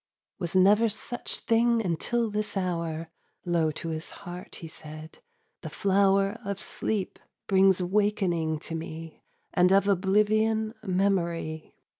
"Was never such thing until this hour," Low to his heart he said; "the flower Of sleep brings wakening to me, And of oblivion memory.